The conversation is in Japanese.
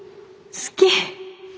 好き。